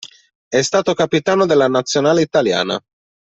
È stato capitano della Nazionale Italiana.